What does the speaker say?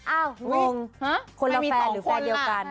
งงคนละแฟนหรือแฟนเดียวกัน